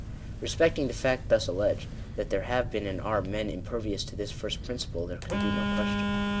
Bespecting the fact thus alleged, that there have been, and are, men impervious to this first principle, there can be no question.